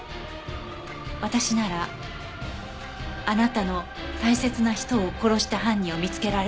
私ならあなたの大切な人を殺した犯人を見つけられると。